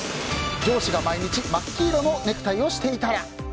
上司が毎日真っ黄色のネクタイをしていたら。